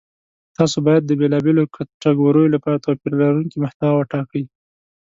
تاسو باید د بېلابېلو کتګوریو لپاره توپیر لرونکې محتوا وټاکئ.